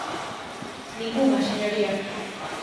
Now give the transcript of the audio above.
Ningunha, señoría.